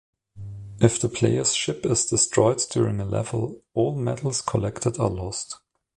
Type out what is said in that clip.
If the player's ship is destroyed during a level, all medals collected are lost.